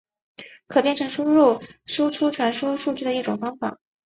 可编程输入输出传输数据的一种方法。